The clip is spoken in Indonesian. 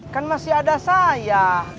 kan masih ada saya